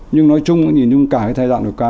nhưng nói chung cả cái thay đoạn vừa qua